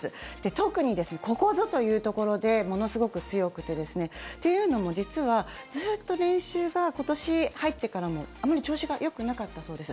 特に、ここぞというところでものすごく強くてというのも、実はずっと練習が今年に入ってからもあまり調子がよくなかったそうです。